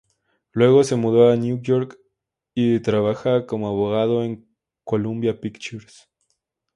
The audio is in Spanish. Luego se mudó a Nueva York y trabaja como abogado en Columbia Pictures.